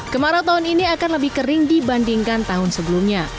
kemarau tahun ini akan lebih kering dibandingkan tahun sebelumnya